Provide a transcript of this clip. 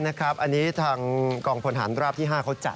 ใช่นะครับอันนี้ทางกองผลฐานราบที่๕เขาจัด